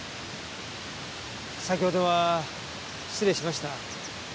先ほどは失礼しました。